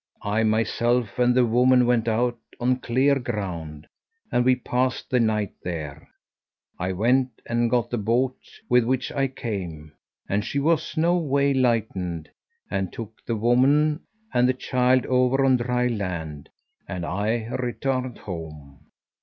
I myself and the woman went out on clear ground, and we passed the night there. I went and got the boat with which I came, and she was no way lightened, and took the woman and the child over on dry land; and I returned home."